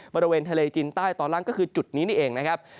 บริเวณทะเลจีนใต้ตอนล่างก็คือจุดนี้นี่เองนะครับ